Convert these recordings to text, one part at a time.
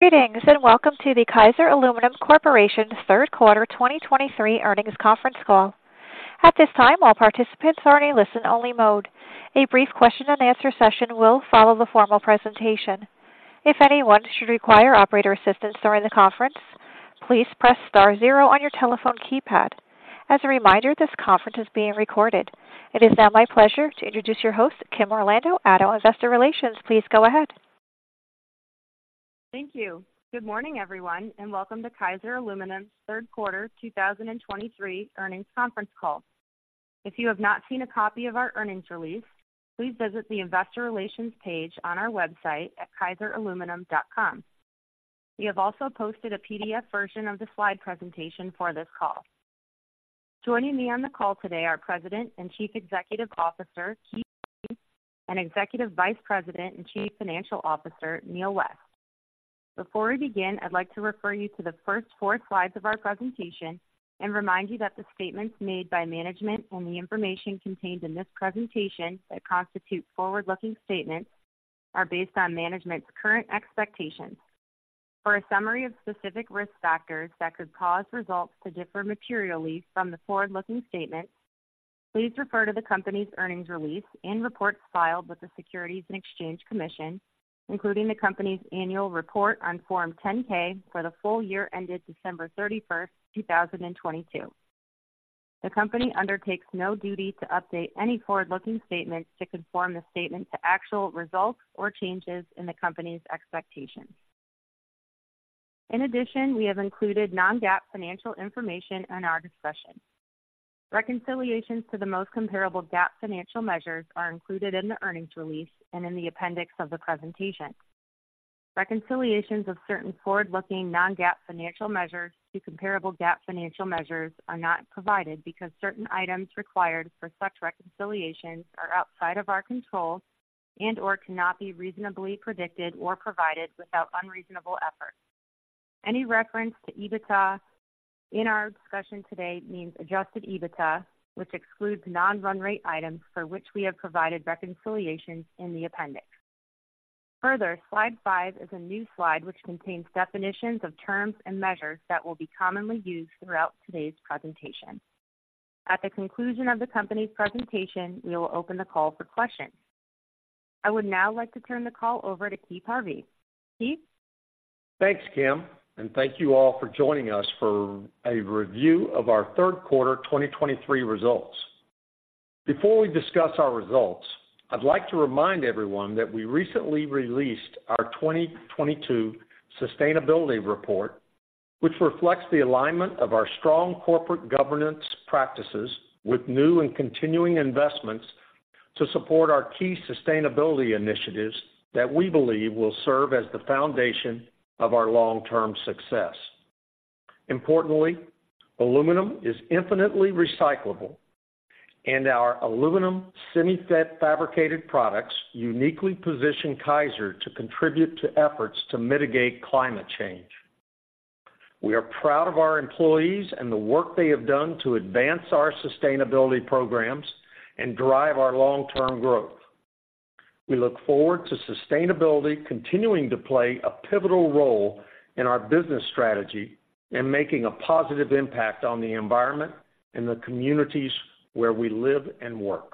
Greetings, and welcome to the Kaiser Aluminum Corporation's third quarter 2023 earnings conference call. At this time, all participants are in a listen-only mode. A brief question-and-answer session will follow the formal presentation. If anyone should require operator assistance during the conference, please press star zero on your telephone keypad. As a reminder, this conference is being recorded. It is now my pleasure to introduce your host, Kim Orlando, ADDO Investor Relations. Please go ahead. Thank you. Good morning, everyone, and welcome to Kaiser Aluminum's third quarter 2023 earnings conference call. If you have not seen a copy of our earnings release, please visit the investor relations page on our website at kaiseraluminum.com. We have also posted a PDF version of the slide presentation for this call. Joining me on the call today are President and Chief Executive Officer, Keith Harvey, and Executive Vice President and Chief Financial Officer, Neal West. Before we begin, I'd like to refer you to the first four slides of our presentation and remind you that the statements made by management and the information contained in this presentation that constitute forward-looking statements are based on management's current expectations. For a summary of specific risk factors that could cause results to differ materially from the forward-looking statements, please refer to the company's earnings release and reports filed with the Securities and Exchange Commission, including the company's annual report on Form 10-K for the full year ended December 31, 2022. The company undertakes no duty to update any forward-looking statements to conform the statement to actual results or changes in the company's expectations. In addition, we have included non-GAAP financial information in our discussion. Reconciliations to the most comparable GAAP financial measures are included in the earnings release and in the appendix of the presentation. Reconciliations of certain forward-looking non-GAAP financial measures to comparable GAAP financial measures are not provided because certain items required for such reconciliations are outside of our control and/or cannot be reasonably predicted or provided without unreasonable effort. Any reference to EBITDA in our discussion today means Adjusted EBITDA, which excludes non-run rate items for which we have provided reconciliation in the appendix. Further, slide five is a new slide which contains definitions of terms and measures that will be commonly used throughout today's presentation. At the conclusion of the company's presentation, we will open the call for questions. I would now like to turn the call over to Keith Harvey. Keith? Thanks, Kim, and thank you all for joining us for a review of our third quarter 2023 results. Before we discuss our results, I'd like to remind everyone that we recently released our 2022 sustainability report, which reflects the alignment of our strong corporate governance practices with new and continuing investments to support our key sustainability initiatives that we believe will serve as the foundation of our long-term success. Importantly, aluminum is infinitely recyclable, and our aluminum semi-fab fabricated products uniquely position Kaiser to contribute to efforts to mitigate climate change. We are proud of our employees and the work they have done to advance our sustainability programs and drive our long-term growth. We look forward to sustainability continuing to play a pivotal role in our business strategy and making a positive impact on the environment and the communities where we live and work.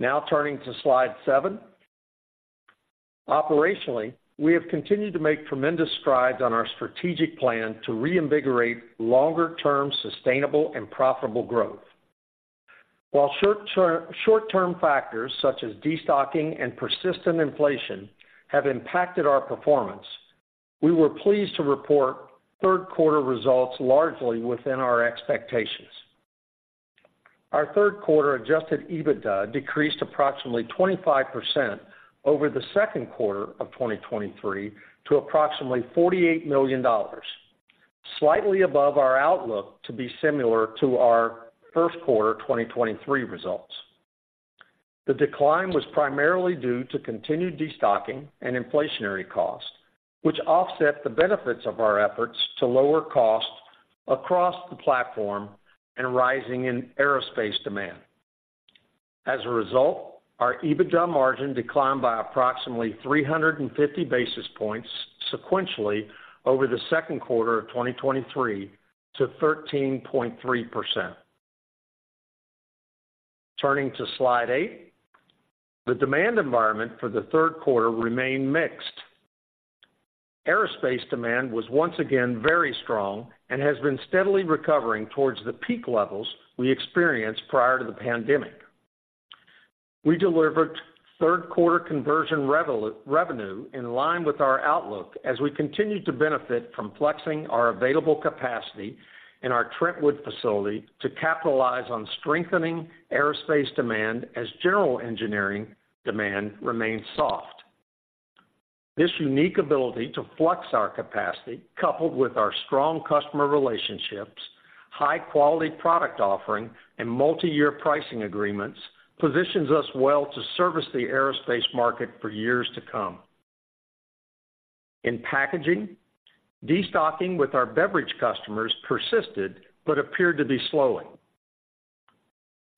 Now turning to slide seven. Operationally, we have continued to make tremendous strides on our strategic plan to reinvigorate longer-term, sustainable and profitable growth. While short-term factors such as destocking and persistent inflation have impacted our performance, we were pleased to report third-quarter results largely within our expectations. Our third quarter Adjusted EBITDA decreased approximately 25% over the second quarter of 2023 to approximately $48 million, slightly above our outlook to be similar to our first quarter 2023 results. The decline was primarily due to continued destocking and inflationary costs, which offset the benefits of our efforts to lower costs across the platform and rising in aerospace demand. As a result, our EBITDA margin declined by approximately 350 basis points sequentially over the second quarter of 2023 to 13.3%. Turning to slide eight. The demand environment for the third quarter remained mixed. Aerospace demand was once again very strong and has been steadily recovering towards the peak levels we experienced prior to the pandemic. We delivered third-quarter conversion revenue in line with our outlook as we continued to benefit from flexing our available capacity in our Trentwood facility to capitalize on strengthening aerospace demand as general engineering demand remains soft. This unique ability to flex our capacity, coupled with our strong customer relationships, high-quality product offering, and multi-year pricing agreements, positions us well to service the aerospace market for years to come. In packaging, destocking with our beverage customers persisted but appeared to be slowing.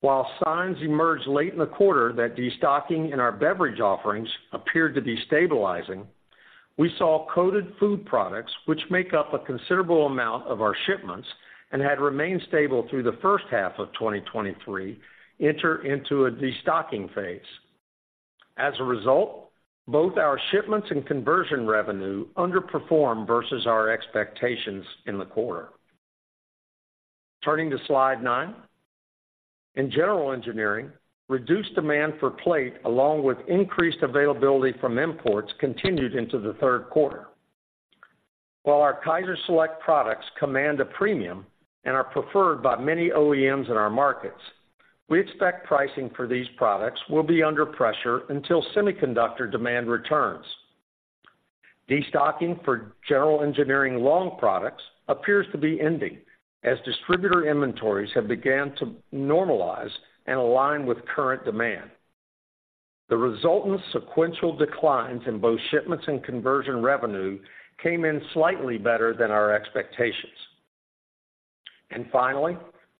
While signs emerged late in the quarter that destocking in our beverage offerings appeared to be stabilizing, we saw coated food products, which make up a considerable amount of our shipments and had remained stable through the H1 of 2023, enter into a destocking phase. As a result, both our shipments and conversion revenue underperformed versus our expectations in the quarter. Turning to Slide nine. In general engineering, reduced demand for plate, along with increased availability from imports, continued into the third quarter. While our KaiserSelect products command a premium and are preferred by many OEMs in our markets, we expect pricing for these products will be under pressure until semiconductor demand returns. Destocking for general engineering long products appears to be ending as distributor inventories have began to normalize and align with current demand. The resultant sequential declines in both shipments and conversion revenue came in slightly better than our expectations. Finally,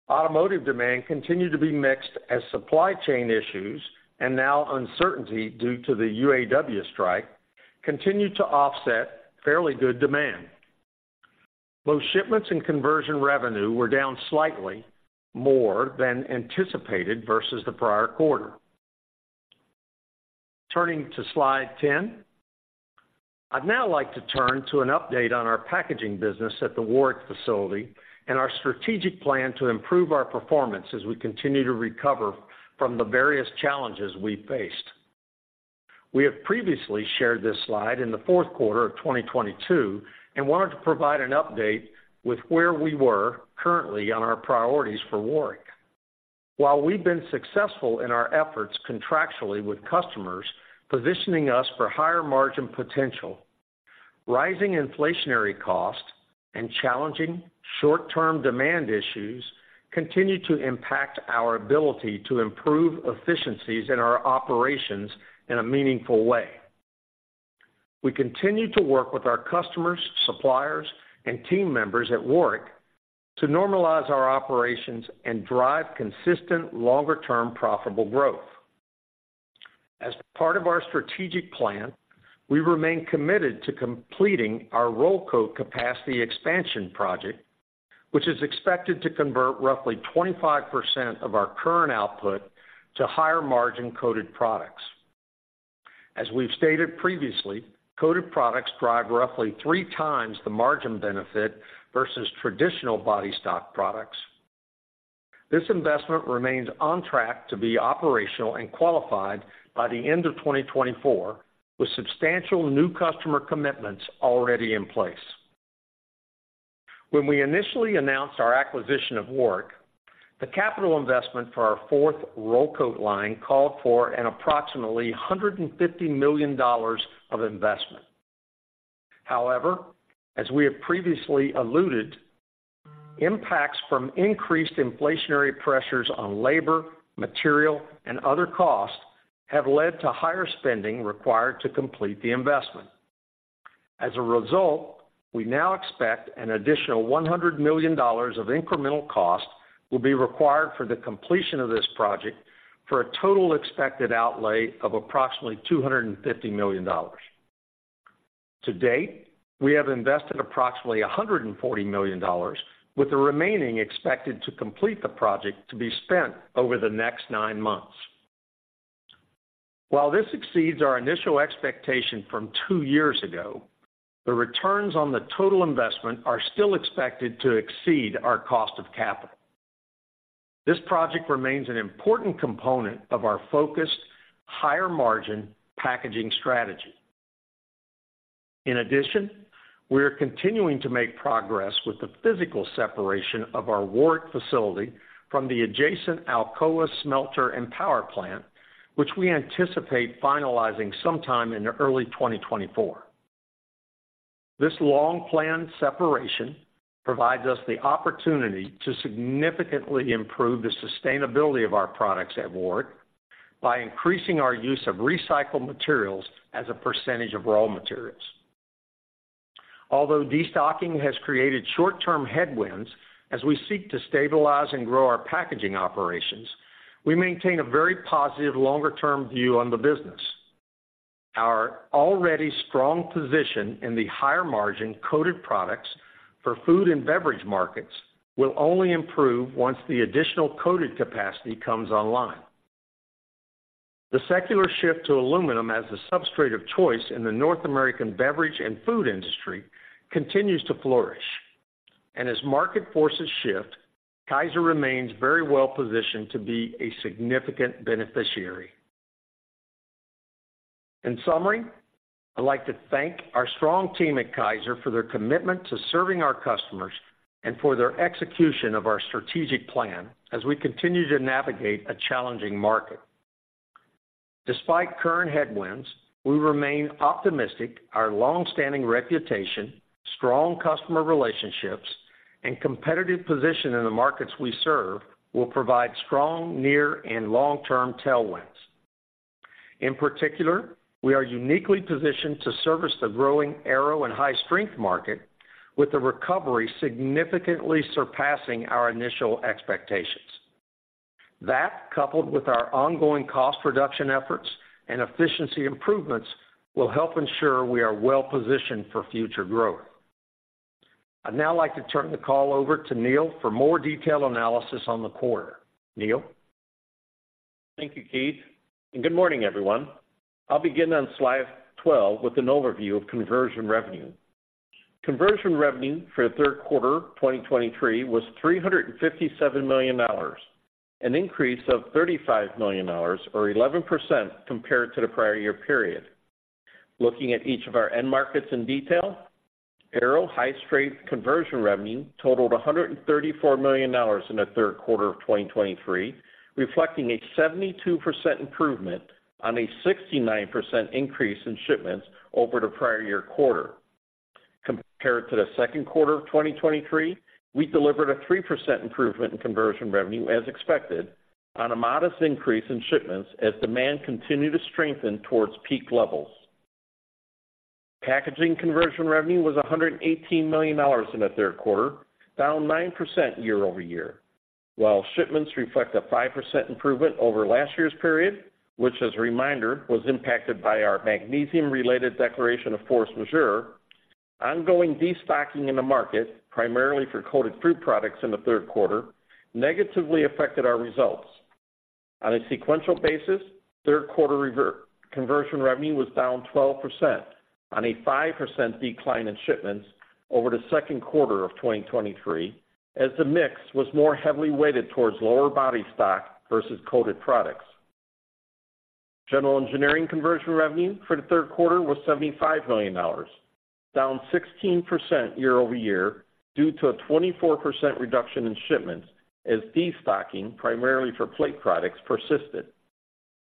automotive demand continued to be mixed as supply chain issues, and now uncertainty due to the UAW strike, continued to offset fairly good demand. Both shipments and conversion revenue were down slightly more than anticipated versus the prior quarter. Turning to Slide 10. I'd now like to turn to an update on our packaging business at the Warrick facility and our strategic plan to improve our performance as we continue to recover from the various challenges we've faced. We have previously shared this slide in the fourth quarter of 2022 and wanted to provide an update with where we were currently on our priorities for Warrick. While we've been successful in our efforts contractually with customers, positioning us for higher margin potential, rising inflationary costs and challenging short-term demand issues continue to impact our ability to improve efficiencies in our operations in a meaningful way. We continue to work with our customers, suppliers, and team members at Warrick to normalize our operations and drive consistent, longer-term, profitable growth. As part of our strategic plan, we remain committed to completing our roll coat capacity expansion project, which is expected to convert roughly 25% of our current output to higher-margin coated products. As we've stated previously, coated products drive roughly three times the margin benefit versus traditional body stock products. This investment remains on track to be operational and qualified by the end of 2024, with substantial new customer commitments already in place. When we initially announced our acquisition of Warrick, the capital investment for our fourth Roll Coat Line called for approximately $150 million of investment. However, as we have previously alluded, impacts from increased inflationary pressures on labor, material, and other costs have led to higher spending required to complete the investment. As a result, we now expect an additional $100 million of incremental costs will be required for the completion of this project, for a total expected outlay of approximately $250 million. To date, we have invested approximately $140 million, with the remaining expected to complete the project to be spent over the next nine months. While this exceeds our initial expectation from two years ago, the returns on the total investment are still expected to exceed our cost of capital. This project remains an important component of our focused, higher-margin packaging strategy. In addition, we are continuing to make progress with the physical separation of our Warrick facility from the adjacent Alcoa smelter and power plant, which we anticipate finalizing sometime in early 2024. This long-planned separation provides us the opportunity to significantly improve the sustainability of our products at Warrick by increasing our use of recycled materials as a percentage of raw materials. Although destocking has created short-term headwinds as we seek to stabilize and grow our packaging operations, we maintain a very positive longer-term view on the business. Our already strong position in the higher-margin coated products for food and beverage markets will only improve once the additional coated capacity comes online. The secular shift to aluminum as the substrate of choice in the North American beverage and food industry continues to flourish. As market forces shift, Kaiser remains very well positioned to be a significant beneficiary. In summary, I'd like to thank our strong team at Kaiser for their commitment to serving our customers and for their execution of our strategic plan as we continue to navigate a challenging market. Despite current headwinds, we remain optimistic our long-standing reputation, strong customer relationships, and competitive position in the markets we serve will provide strong near and long-term tailwinds.... In particular, we are uniquely positioned to service the growing aero and high-strength market, with the recovery significantly surpassing our initial expectations. That, coupled with our ongoing cost reduction efforts and efficiency improvements, will help ensure we are well-positioned for future growth. I'd now like to turn the call over to Neal for more detailed analysis on the quarter. Neal? Thank you, Keith, and good morning, everyone. I'll begin on slide 12 with an overview of conversion revenue. Conversion revenue for the third quarter of 2023 was $357 million, an increase of $35 million or 11% compared to the prior year period. Looking at each of our end markets in detail, aero high strength conversion revenue totaled $134 million in the third quarter of 2023, reflecting a 72% improvement on a 69% increase in shipments over the prior year quarter. Compared to the second quarter of 2023, we delivered a 3% improvement in conversion revenue, as expected, on a modest increase in shipments as demand continued to strengthen towards peak levels. Packaging conversion revenue was $118 million in the third quarter, down 9% year-over-year. While shipments reflect a 5% improvement over last year's period, which, as a reminder, was impacted by our magnesium-related declaration of force majeure, ongoing destocking in the market, primarily for coated fruit products in the third quarter, negatively affected our results. On a sequential basis, third quarter conversion revenue was down 12% on a 5% decline in shipments over the second quarter of 2023, as the mix was more heavily weighted towards lower body stock versus coated products. General engineering conversion revenue for the third quarter was $75 million, down 16% year-over-year due to a 24% reduction in shipments as destocking, primarily for plate products, persisted.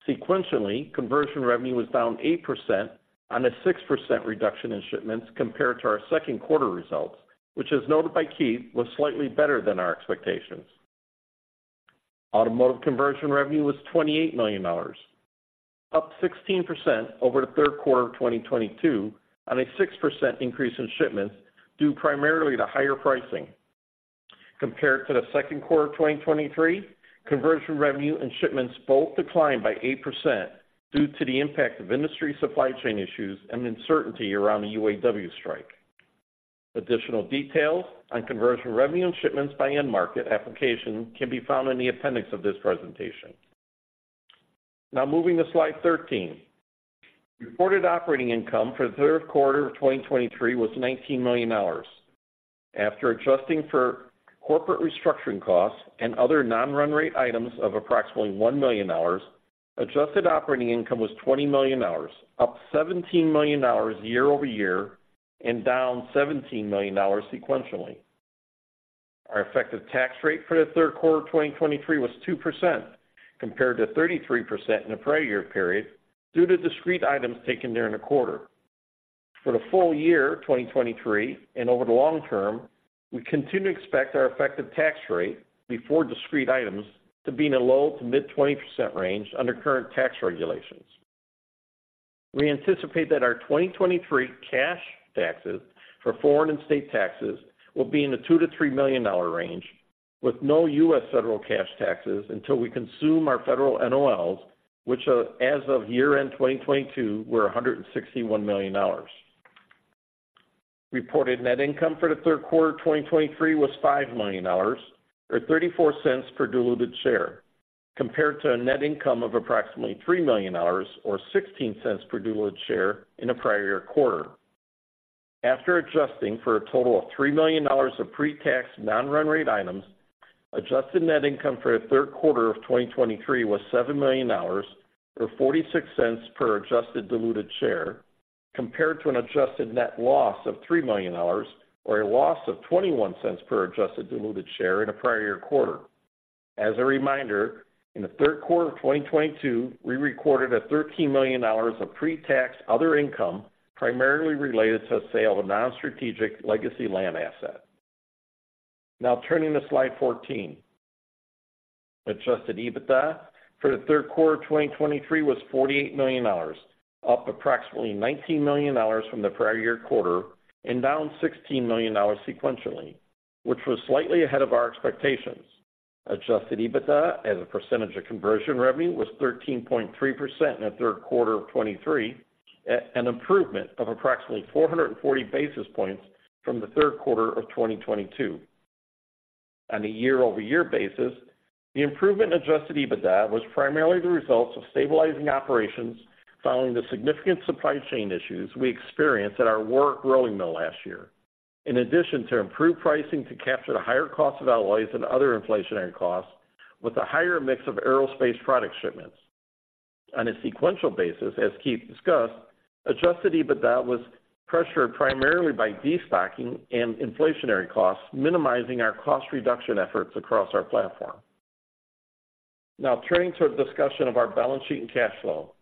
Sequentially, conversion revenue was down 8% on a 6% reduction in shipments compared to our second quarter results, which, as noted by Keith, was slightly better than our expectations. Automotive conversion revenue was $28 million, up 16% over the third quarter of 2022, on a 6% increase in shipments, due primarily to higher pricing. Compared to the second quarter of 2023, conversion revenue and shipments both declined by 8% due to the impact of industry supply chain issues and the uncertainty around the UAW strike. Additional details on conversion revenue and shipments by end market application can be found in the appendix of this presentation. Now, moving to slide 13. Reported operating income for the third quarter of 2023 was $19 million. After adjusting for corporate restructuring costs and other non-run rate items of approximately $1 million, adjusted operating income was $20 million, up $17 million year-over-year and down $17 million sequentially. Our effective tax rate for the third quarter of 2023 was 2%, compared to 33% in the prior year period, due to discrete items taken during the quarter. For the full year of 2023 and over the long term, we continue to expect our effective tax rate before discrete items to be in the low to mid-20% range under current tax regulations. We anticipate that our 2023 cash taxes for foreign and state taxes will be in the $2 million-$3 million range, with no U.S. federal cash taxes until we consume our federal NOLs, which, as of year-end 2022, were $161 million. Reported net income for the third quarter of 2023 was $5 million, or $0.34 per diluted share, compared to a net income of approximately $3 million, or $0.16 per diluted share in the prior year quarter. After adjusting for a total of $3 million of pre-tax non-run rate items, adjusted net income for the third quarter of 2023 was $7 million, or $0.46 per adjusted diluted share, compared to an adjusted net loss of -$3 million, or a loss of -$0.21 per adjusted diluted share in the prior year quarter. As a reminder, in the third quarter of 2022, we recorded $13 million of pre-tax other income, primarily related to the sale of non-strategic legacy land asset. Now, turning to slide 14. Adjusted EBITDA for the third quarter of 2023 was $48 million, up approximately $19 million from the prior year quarter and down $16 million sequentially, which was slightly ahead of our expectations. Adjusted EBITDA as a percentage of conversion revenue was 13.3% in the third quarter of 2023, an improvement of approximately 440 basis points from the third quarter of 2022. On a year-over-year basis, the improvement in adjusted EBITDA was primarily the result of stabilizing operations following the significant supply chain issues we experienced at our Warrick Rolling Mill last year. In addition to improved pricing to capture the higher cost of alloys and other inflationary costs, with a higher mix of aerospace product shipments. On a sequential basis, as Keith discussed, Adjusted EBITDA was pressured primarily by destocking and inflationary costs, minimizing our cost reduction efforts across our platform. Now turning to a discussion of our balance sheet and cash flow.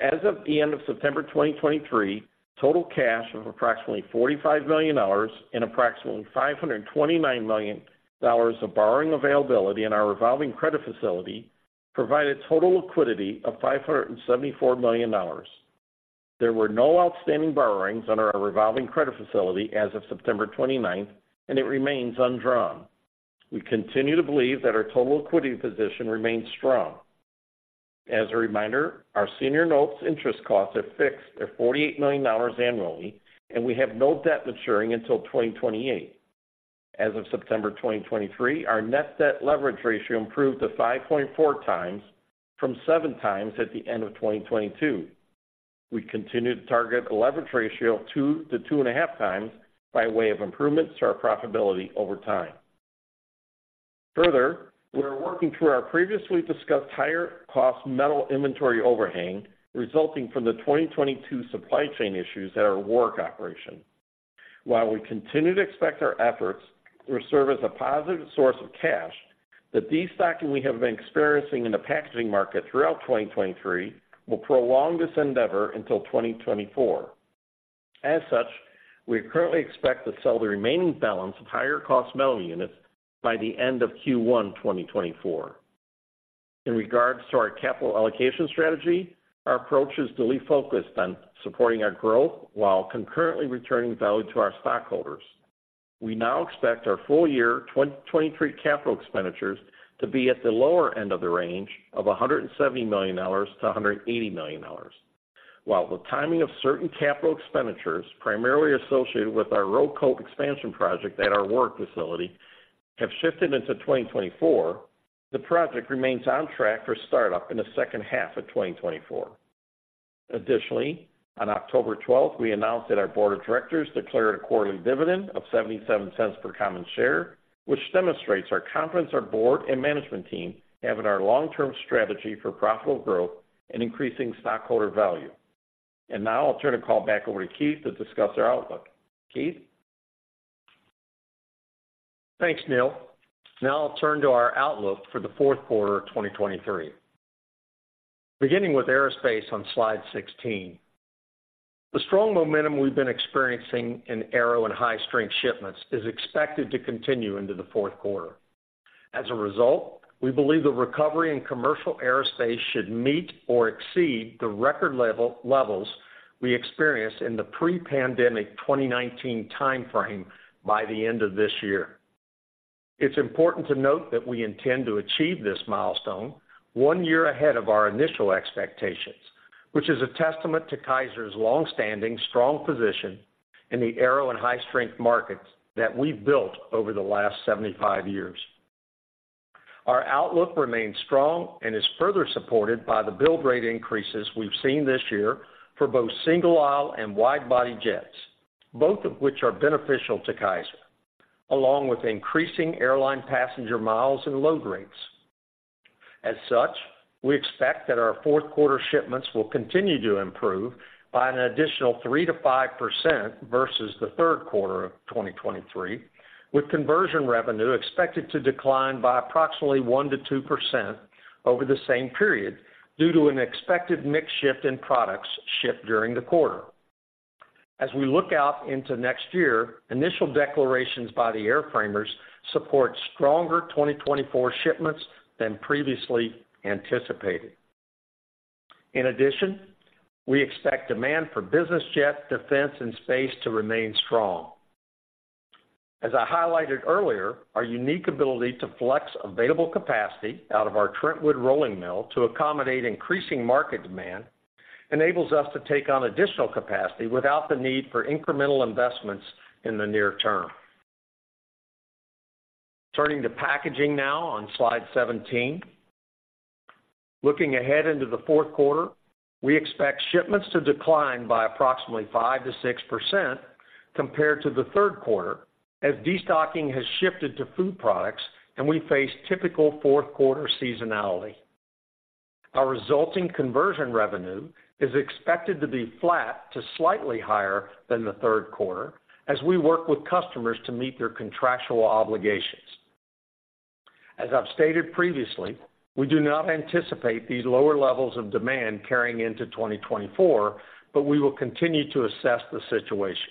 As of the end of September 2023, total cash of approximately $45 million and approximately $529 million of borrowing availability in our revolving credit facility, provided total liquidity of $574 million. There were no outstanding borrowings under our revolving credit facility as of September 29, and it remains undrawn. We continue to believe that our total liquidity position remains strong. As a reminder, our senior notes interest costs are fixed at $48 million annually, and we have no debt maturing until 2028. As of September 2023, our net debt leverage ratio improved to 5.4x from 7x at the end of 2022. We continue to target a leverage ratio of 2-2.5x by way of improvements to our profitability over time. Further, we are working through our previously discussed higher-cost metal inventory overhang, resulting from the 2022 supply chain issues at our Warrick operation. While we continue to expect our efforts will serve as a positive source of cash, the destocking we have been experiencing in the packaging market throughout 2023 will prolong this endeavor until 2024. As such, we currently expect to sell the remaining balance of higher-cost metal units by the end of Q1 2024. In regards to our capital allocation strategy, our approach is duly focused on supporting our growth while concurrently returning value to our stockholders. We now expect our full-year 2023 capital expenditures to be at the lower end of the range of $170 million-$180 million. While the timing of certain capital expenditures, primarily associated with our roll coat expansion project at our Warrick facility, have shifted into 2024, the project remains on track for startup in the H2 of 2024. Additionally, on October 12, we announced that our board of directors declared a quarterly dividend of $0.77 per common share, which demonstrates our confidence, our board and management team have in our long-term strategy for profitable growth and increasing stockholder value. Now I'll turn the call back over to Keith to discuss our outlook. Keith? Thanks, Neal. Now I'll turn to our outlook for the fourth quarter of 2023. Beginning with aerospace on slide 16. The strong momentum we've been experiencing in aero and high-strength shipments is expected to continue into the fourth quarter. As a result, we believe the recovery in commercial aerospace should meet or exceed the record level, levels we experienced in the pre-pandemic 2019 timeframe by the end of this year. It's important to note that we intend to achieve this milestone one year ahead of our initial expectations, which is a testament to Kaiser's long-standing, strong position in the aero and high-strength markets that we've built over the last 75 years. Our outlook remains strong and is further supported by the build rate increases we've seen this year for both single-aisle and wide-body jets, both of which are beneficial to Kaiser, along with increasing airline passenger miles and load rates. As such, we expect that our fourth quarter shipments will continue to improve by an additional 3%-5% versus the third quarter of 2023, with conversion revenue expected to decline by approximately 1%-2% over the same period due to an expected mix shift in products shipped during the quarter. As we look out into next year, initial declarations by the airframers support stronger 2024 shipments than previously anticipated. In addition, we expect demand for business jet, defense, and space to remain strong. As I highlighted earlier, our unique ability to flex available capacity out of our Trentwood Rolling Mill to accommodate increasing market demand enables us to take on additional capacity without the need for incremental investments in the near term. Turning to packaging now on slide 17. Looking ahead into the fourth quarter, we expect shipments to decline by approximately 5%-6% compared to the third quarter, as destocking has shifted to food products and we face typical fourth quarter seasonality. Our resulting conversion revenue is expected to be flat to slightly higher than the third quarter as we work with customers to meet their contractual obligations. As I've stated previously, we do not anticipate these lower levels of demand carrying into 2024, but we will continue to assess the situation.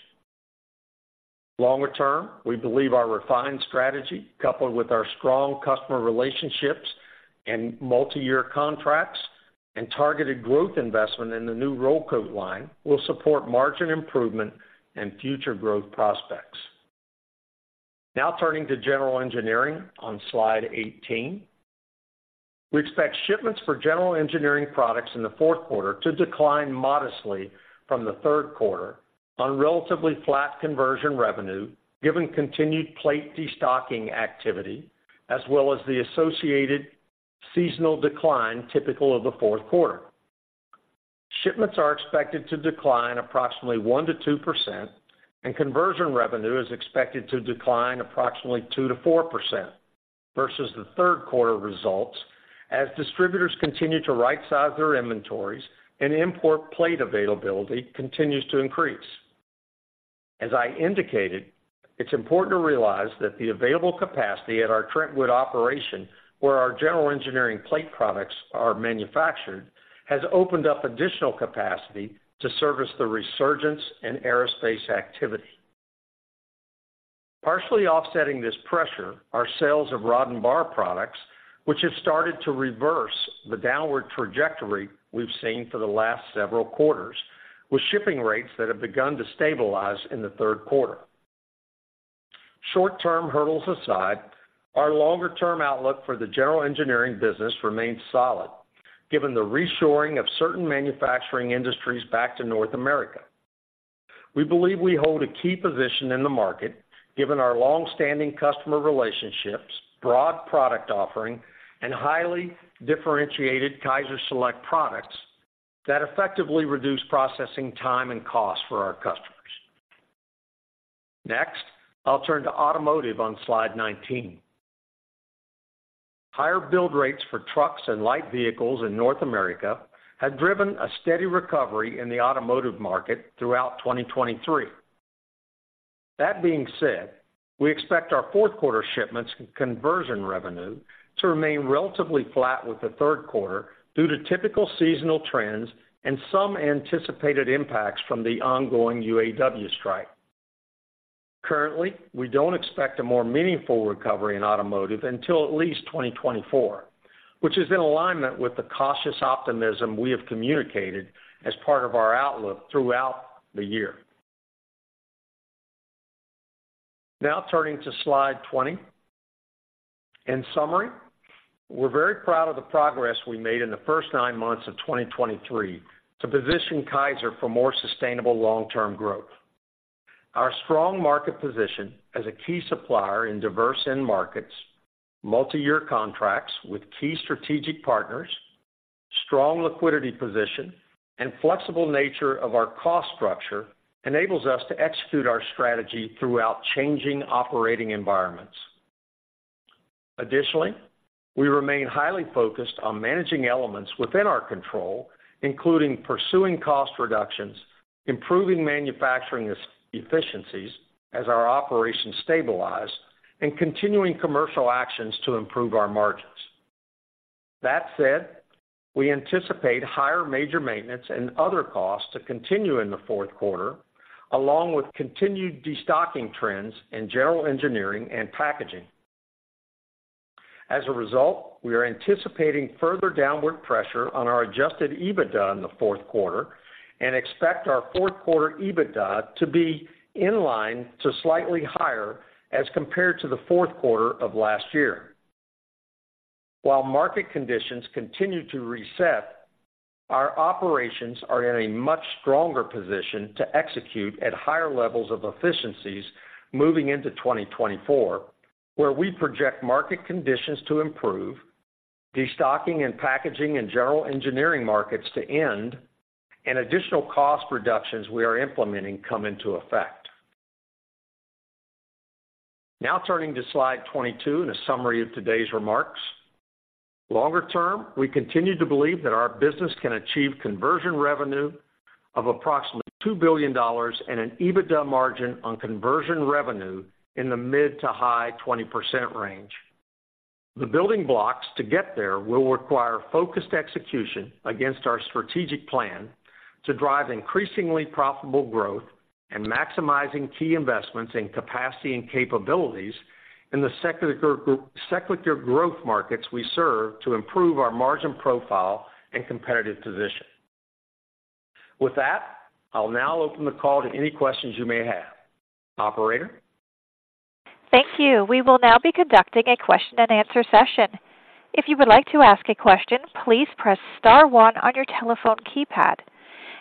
Longer term, we believe our refined strategy, coupled with our strong customer relationships and multiyear contracts and targeted growth investment in the new Roll Coat Line, will support margin improvement and future growth prospects. Now turning to general engineering on slide 18. We expect shipments for general engineering products in the fourth quarter to decline modestly from the third quarter on relatively flat Conversion Revenue, given continued plate destocking activity as well as the associated seasonal decline typical of the fourth quarter. Shipments are expected to decline approximately 1%-2%, and Conversion Revenue is expected to decline approximately 2%-4% versus the third quarter results as distributors continue to rightsize their inventories and import plate availability continues to increase. As I indicated, it's important to realize that the available capacity at our Trentwood operation, where our general engineering plate products are manufactured, has opened up additional capacity to service the resurgence in aerospace activity. Partially offsetting this pressure are sales of rod and bar products, which have started to reverse the downward trajectory we've seen for the last several quarters, with shipping rates that have begun to stabilize in the third quarter. Short-term hurdles aside, our longer-term outlook for the general engineering business remains solid, given the reshoring of certain manufacturing industries back to North America. We believe we hold a key position in the market, given our long-standing customer relationships, broad product offering, and highly differentiated KaiserSelect products that effectively reduce processing time and costs for our customers. Next, I'll turn to automotive on slide 19. Higher build rates for trucks and light vehicles in North America have driven a steady recovery in the automotive market throughout 2023. That being said, we expect our fourth quarter shipments and conversion revenue to remain relatively flat with the third quarter due to typical seasonal trends and some anticipated impacts from the ongoing UAW strike. Currently, we don't expect a more meaningful recovery in automotive until at least 2024, which is in alignment with the cautious optimism we have communicated as part of our outlook throughout the year. Now turning to slide 20. In summary, we're very proud of the progress we made in the first nine months of 2023 to position Kaiser for more sustainable long-term growth. Our strong market position as a key supplier in diverse end markets, multiyear contracts with key strategic partners, strong liquidity position, and flexible nature of our cost structure enables us to execute our strategy throughout changing operating environments. Additionally, we remain highly focused on managing elements within our control, including pursuing cost reductions, improving manufacturing efficiencies as our operations stabilize, and continuing commercial actions to improve our margins. That said, we anticipate higher major maintenance and other costs to continue in the fourth quarter, along with continued destocking trends in general engineering and packaging. As a result, we are anticipating further downward pressure on our adjusted EBITDA in the fourth quarter and expect our fourth quarter EBITDA to be in line to slightly higher as compared to the fourth quarter of last year. While market conditions continue to reset, our operations are in a much stronger position to execute at higher levels of efficiencies moving into 2024, where we project market conditions to improve, destocking and packaging in general engineering markets to end, and additional cost reductions we are implementing come into effect. Now turning to slide 22 and a summary of today's remarks. Longer term, we continue to believe that our business can achieve conversion revenue of approximately $2 billion and an EBITDA margin on conversion revenue in the mid- to high-20% range. The building blocks to get there will require focused execution against our strategic plan to drive increasingly profitable growth and maximizing key investments in capacity and capabilities in the secular group-- secular growth markets we serve to improve our margin profile and competitive position. With that, I'll now open the call to any questions you may have. Operator? Thank you. We will now be conducting a question-and-answer session. If you would like to ask a question, please press star one on your telephone keypad.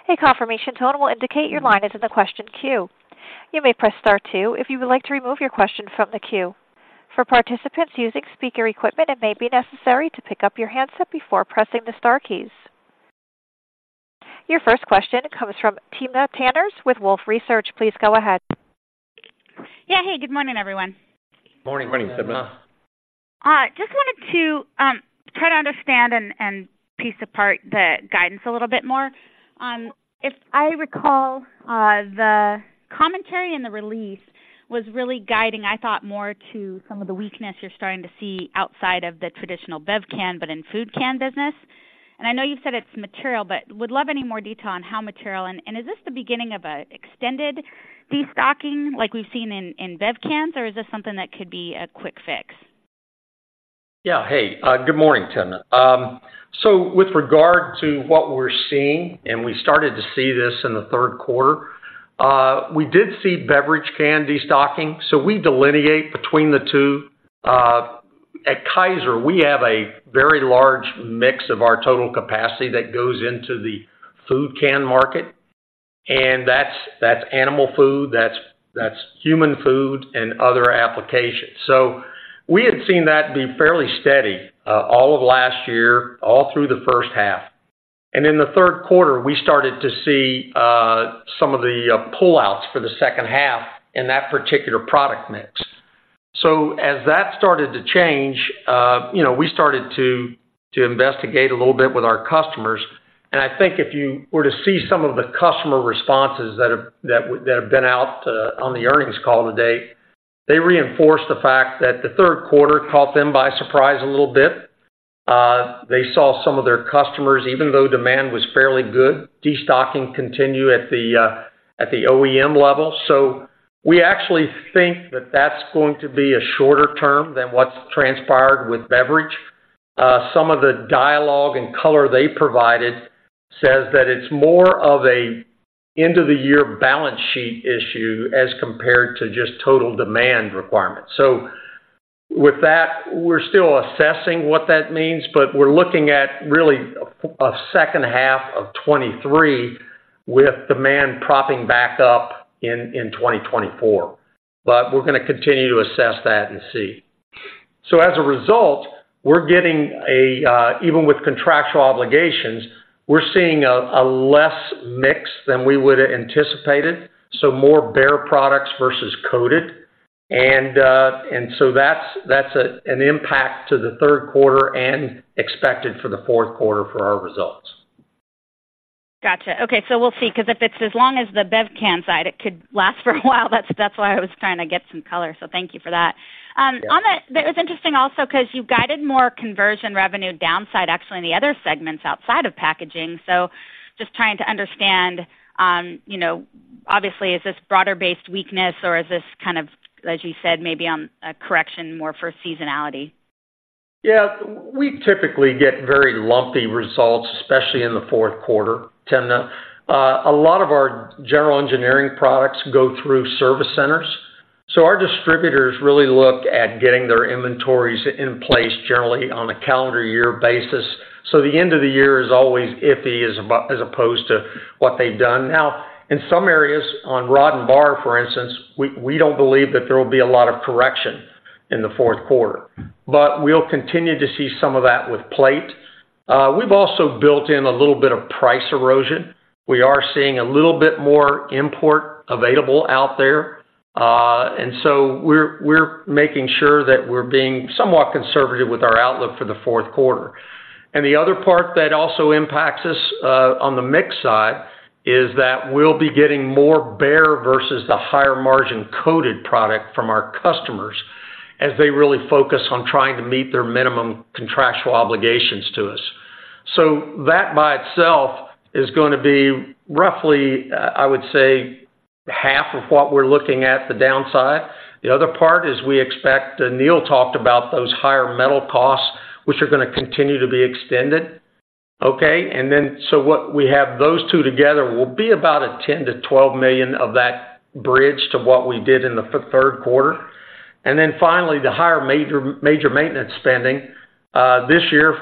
A confirmation tone will indicate your line is in the question queue. You may press star two if you would like to remove your question from the queue. For participants using speaker equipment, it may be necessary to pick up your handset before pressing the star keys. Your first question comes from Timna Tanners with Wolfe Research. Please go ahead. Yeah. Hey, good morning, everyone. Morning. Morning, Timna. Just wanted to try to understand and piece apart the guidance a little bit more. If I recall, the commentary in the release was really guiding, I thought, more to some of the weakness you're starting to see outside of the traditional bev can, but in food can business. And I know you said it's material, but would love any more detail on how material, and is this the beginning of a extended destocking like we've seen in bev cans, or is this something that could be a quick fix? Yeah. Hey, good morning, Timna. So with regard to what we're seeing, and we started to see this in the third quarter, we did see beverage can destocking, so we delineate between the two. At Kaiser, we have a very large mix of our total capacity that goes into the food can market, and that's animal food, human food, and other applications. So we had seen that be fairly steady, all of last year, all through the H1. And in the third quarter, we started to see some of the pullouts for the H2 in that particular product mix. So as that started to change, you know, we started to investigate a little bit with our customers. And I think if you were to see some of the customer responses that have been out on the earnings call today, they reinforce the fact that the third quarter caught them by surprise a little bit. They saw some of their customers, even though demand was fairly good, destocking continue at the OEM level. So we actually think that that's going to be a shorter term than what's transpired with beverage. Some of the dialogue and color they provided says that it's more of a end-of-the-year balance sheet issue as compared to just total demand requirements. So with that, we're still assessing what that means, but we're looking at really a H2 of 2023, with demand propping back up in 2024. But we're gonna continue to assess that and see. As a result, we're getting, even with contractual obligations, we're seeing a less mix than we would've anticipated, so more bare products versus coated. That's an impact to the third quarter and expected for the fourth quarter for our results. Gotcha. Okay. So we'll see, 'cause if it's as long as the bev can side, it could last for a while. That's why I was trying to get some color. So thank you for that. Yeah. It was interesting also, 'cause you guided more conversion revenue downside, actually, in the other segments outside of packaging. So just trying to understand, you know, obviously, is this broader-based weakness, or is this kind of, as you said, maybe on a correction more for seasonality? Yeah. We typically get very lumpy results, especially in the fourth quarter, Timna. A lot of our general engineering products go through service centers, so our distributors really look at getting their inventories in place generally on a calendar year basis. So the end of the year is always iffy, as opposed to what they've done. Now, in some areas, on rod and bar, for instance, we don't believe that there will be a lot of correction in the fourth quarter. But we'll continue to see some of that with plate. We've also built in a little bit of price erosion. We are seeing a little bit more import available out there. And so we're making sure that we're being somewhat conservative with our outlook for the fourth quarter. And the other part that also impacts us, on the mix side, is that we'll be getting more bare versus the higher margin coated product from our customers, as they really focus on trying to meet their minimum contractual obligations to us. So that, by itself, is gonna be roughly, I would say, half of what we're looking at the downside. The other part is we expect, and Neal talked about those higher metal costs, which are gonna continue to be extended, okay? And then, so what we have those two together will be about a $10 million-$12 million of that bridge to what we did in the fourth quarter. And then finally, the higher major maintenance spending. This year,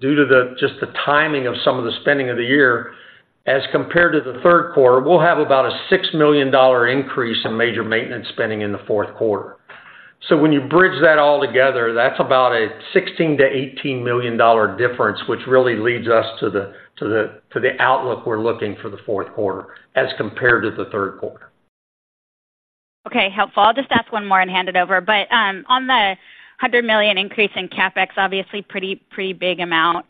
due to just the timing of some of the spending of the year, as compared to the third quarter, we'll have about a $6 million increase in major maintenance spending in the fourth quarter. So when you bridge that all together, that's about a $16 million-$18 million difference, which really leads us to the outlook we're looking for the fourth quarter as compared to the third quarter. Okay, helpful. I'll just ask one more and hand it over. But on the $100 million increase in CapEx, obviously pretty, pretty big amount,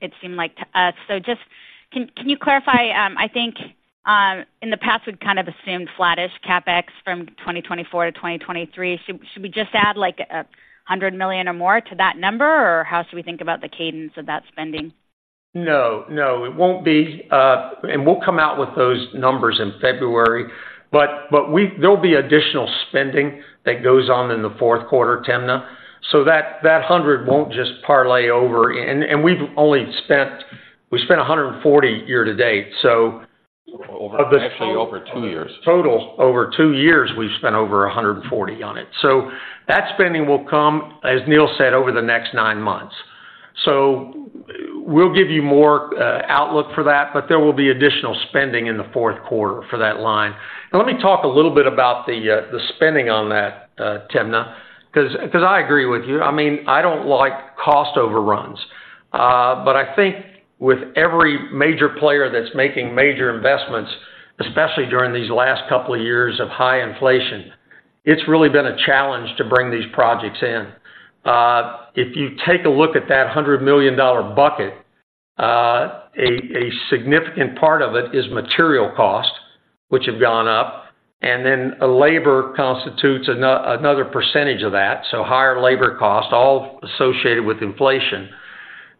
it seemed like to us. So just can you clarify, I think, in the past, we've kind of assumed flattish CapEx from 2024 to 2023. Should we just add, like, $100 million or more to that number, or how should we think about the cadence of that spending? No, no, it won't be. We'll come out with those numbers in February. There'll be additional spending that goes on in the fourth quarter, Timna, so that $100 million won't just parlay over. We've only spent, we've spent $140 million year to date, so— Over, actually, over two years. Total, over two years, we've spent over $140 million on it. So that spending will come, as Neal said, over the next nine months. So we'll give you more outlook for that, but there will be additional spending in the fourth quarter for that line. And let me talk a little bit about the spending on that, Timna, 'cause I agree with you. I mean, I don't like cost overruns. But I think with every major player that's making major investments, especially during these last couple of years of high inflation, it's really been a challenge to bring these projects in. If you take a look at that $100 million bucket, a significant part of it is material cost, which have gone up, and then labor constitutes another percentage of that, so higher labor cost, all associated with inflation.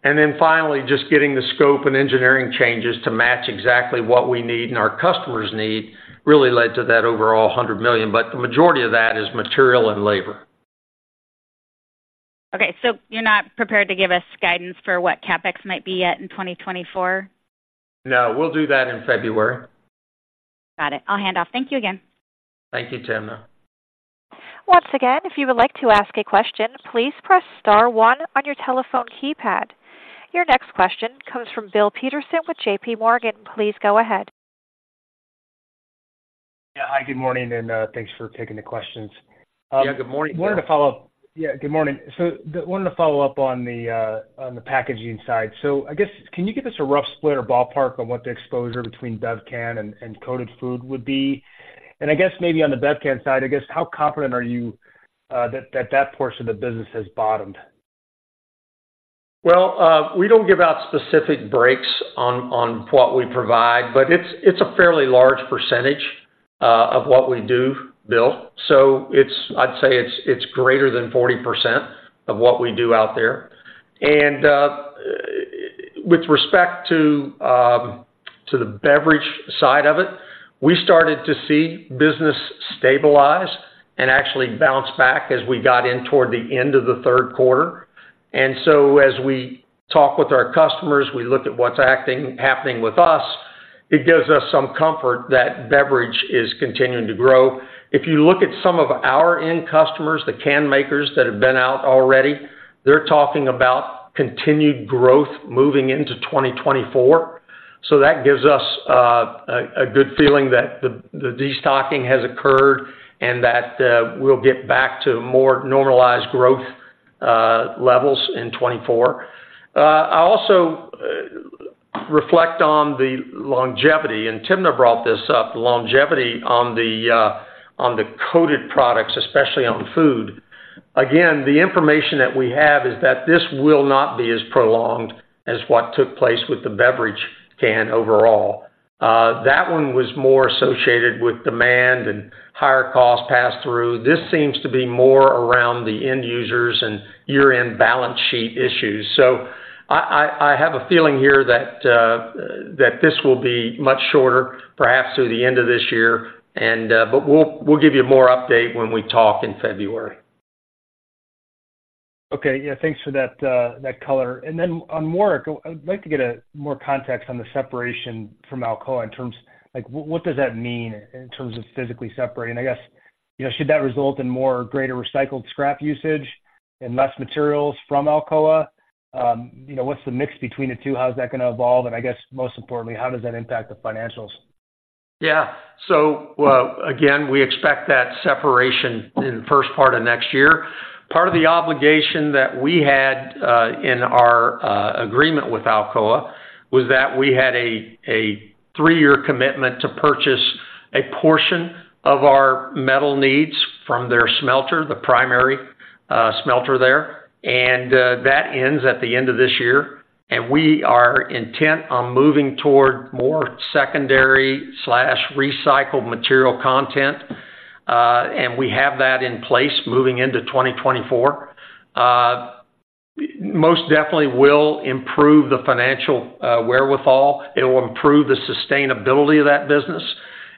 And then finally, just getting the scope and engineering changes to match exactly what we need and our customers need, really led to that overall $100 million. But the majority of that is material and labor. Okay, so you're not prepared to give us guidance for what CapEx might be at in 2024? No, we'll do that in February. Got it. I'll hand off. Thank you again. Thank you, Timna. Once again, if you would like to ask a question, please press star one on your telephone keypad. Your next question comes from Bill Peterson with JP Morgan. Please go ahead. Yeah. Hi, good morning, and, thanks for taking the questions. Yeah, good morning, Bill. Yeah, good morning. So, wanted to follow up on the packaging side. So I guess, can you give us a rough split or ballpark on what the exposure between bev can and coated food would be? And I guess maybe on the bev can side, I guess, how confident are you that that portion of the business has bottomed? Well, we don't give out specific breaks on what we provide, but it's a fairly large percentage of what we do, Bill. So it's. I'd say it's greater than 40% of what we do out there. And with respect to the beverage side of it, we started to see business stabilize and actually bounce back as we got in toward the end of the third quarter. And so as we talk with our customers, we look at what's happening with us, it gives us some comfort that beverage is continuing to grow. If you look at some of our end customers, the can makers that have been out already, they're talking about continued growth moving into 2024. So that gives us a good feeling that the destocking has occurred, and that we'll get back to more normalized growth levels in 2024. I also reflect on the longevity, and Timna brought this up, the longevity on the coated products, especially on food. Again, the information that we have is that this will not be as prolonged as what took place with the beverage can overall. That one was more associated with demand and higher costs passed through. This seems to be more around the end users and year-end balance sheet issues. So I have a feeling here that this will be much shorter, perhaps through the end of this year. But we'll give you more update when we talk in February. Okay. Yeah, thanks for that, that color. And then on Warrick, I'd like to get more context on the separation from Alcoa in terms—like, what does that mean in terms of physically separating? I guess, you know, should that result in more greater recycled scrap usage and less materials from Alcoa? You know, what's the mix between the two? How's that gonna evolve? And I guess, most importantly, how does that impact the financials? Yeah. So, again, we expect that separation in the first part of next year. Part of the obligation that we had in our agreement with Alcoa was that we had a three-year commitment to purchase a portion of our metal needs from their smelter, the primary smelter there. And, that ends at the end of this year, and we are intent on moving toward more secondary/recycled material content, and we have that in place moving into 2024. Most definitely will improve the financial wherewithal. It will improve the sustainability of that business,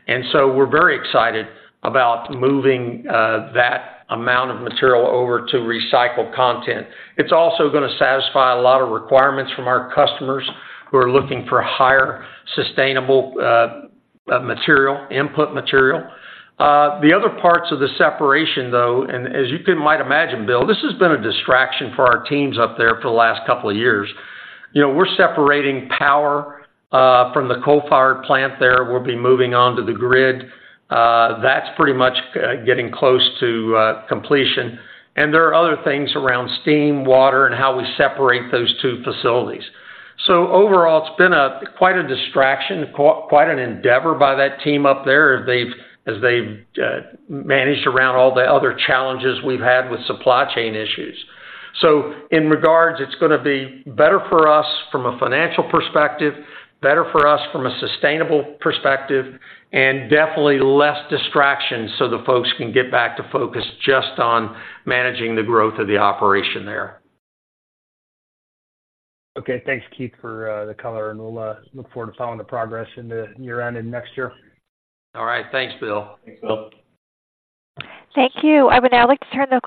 and so we're very excited about moving that amount of material over to recycled content. It's also gonna satisfy a lot of requirements from our customers, who are looking for higher sustainable material input material. The other parts of the separation, though, and as you can might imagine, Bill, this has been a distraction for our teams up there for the last couple of years. You know, we're separating power from the coal-fired plant there. We'll be moving on to the grid. That's pretty much getting close to completion. And there are other things around steam, water, and how we separate those two facilities. So overall, it's been a quite a distraction, quite an endeavor by that team up there as they've managed around all the other challenges we've had with supply chain issues. So in regards, it's gonna be better for us from a financial perspective, better for us from a sustainable perspective, and definitely less distraction so the folks can get back to focus just on managing the growth of the operation there. Okay. Thanks, Keith, for the color, and we'll look forward to following the progress in the year end and next year. All right. Thanks, Bill. Thanks, Bill. Thank you. I would now like to turn the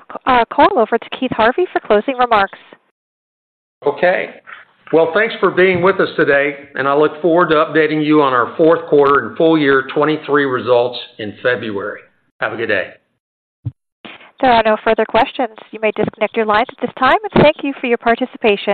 call over to Keith Harvey for closing remarks. Okay. Well, thanks for being with us today, and I look forward to updating you on our fourth quarter and full year 2023 results in February. Have a good day. There are no further questions. You may disconnect your lines at this time, and thank you for your participation.